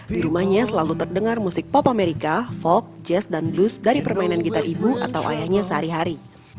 di rumahnya selalu terdengar musik pop amerika folk jazz dan blues dari permainan gitar ibu atau ayahnya sehari hari